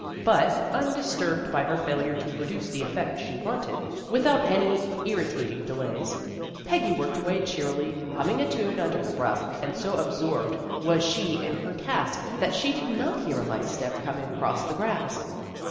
But, undis turbed by her failure to produce the effect she A BUSY AFTERNOON 53 wanted, without any irritating delays, Peggy worked away cheerily, humming a tune under her breath, and so absorbed was she in her task that she did not hear a light step coming across the grass.